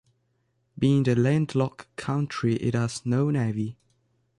Being a landlocked country, it has no navy.